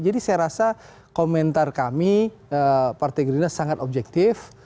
jadi saya rasa komentar kami partai gerina sangat objektif